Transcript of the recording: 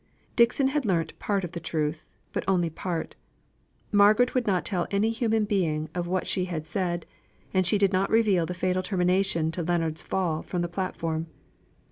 Dixon had learnt part of the truth but only part. Margaret would not tell any human being of what she had said, and she did not reveal the fatal termination to Leonards' fall from the platform.